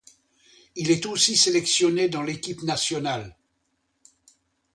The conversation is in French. Il est aussi sélectionné dans l'équipe nationale.